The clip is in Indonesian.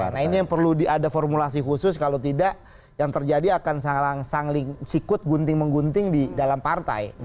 nah ini yang perlu ada formulasi khusus kalau tidak yang terjadi akan sikut gunting menggunting di dalam partai